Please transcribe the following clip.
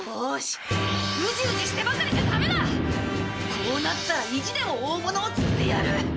こうなったら意地でも大物を釣ってやる！